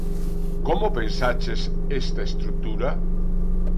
Como pensaches esta estrutura?